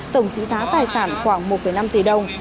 tổng trị giá tài sản khoảng một năm tỷ đồng